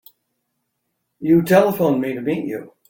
You telephoned me to meet you.